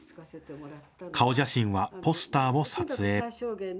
顔写真はポスターを撮影。